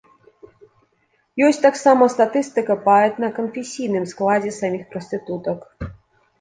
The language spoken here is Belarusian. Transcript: Ёсць таксама статыстыка па этна-канфесійным складзе саміх прастытутак.